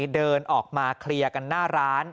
เดินออกมาเคลียร์กันหน้าร้าน